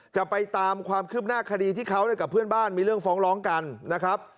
จะไปตามความคืบหน้าคดีที่เขากับเพื่อนบ้านมีเรื่องฟ้องร้องกันนะครับ